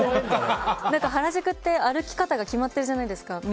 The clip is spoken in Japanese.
原宿って歩き方が決まってるじゃないですか。